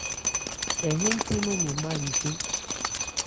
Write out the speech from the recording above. Hɛ hɛ́nthé nɔn mɛn ma ncɛ́n.